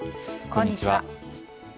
こんにちは。